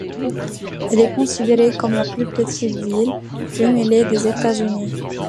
Elle est considérée comme la plus petite ville jumelée des États-Unis.